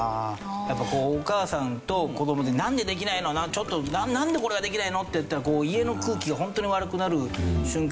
やっぱお母さんと子どもで「なんでできないの？」「ちょっとなんでこれができないの？」って言ったら家の空気がホントに悪くなる瞬間は。